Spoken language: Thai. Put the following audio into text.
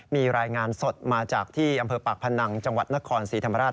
มีรายงานสดมาจากที่อำเภอปากพนังจังหวัดนครศรีธรรมราช